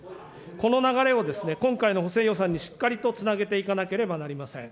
この流れを今回の補正予算にしっかりとつなげていかなければなりません。